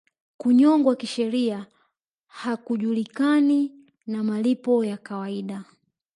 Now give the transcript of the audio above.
Kunyongwa kisheria hakujulikani na malipo ya kawaida